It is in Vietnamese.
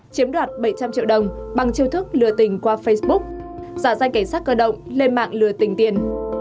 chiếm đoạt bảy trăm linh triệu đồng bằng chiêu thức lừa tình qua facebook giả danh cảnh sát cơ động lên mạng lừa tình tiền